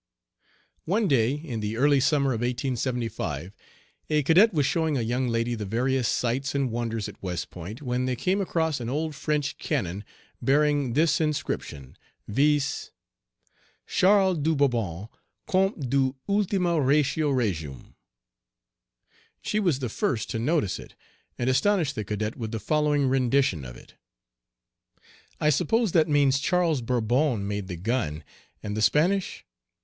One day in the early summer of 1875, a cadet was showing a young lady the various sights and wonders at West Point, when they came across an old French cannon bearing this inscription, viz., "Charles de Bourbon, Compte d'Eu, ultima ratio regum." She was the first to notice it, and astonished the cadet with the following rendition of it: "I suppose that means Charles Bourbon made the gun, and the Spanish